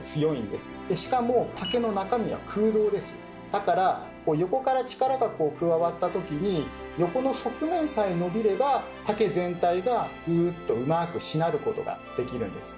だから横から力がこう加わった時に横の側面さえ伸びれば竹全体がグーッとうまくしなることができるんです。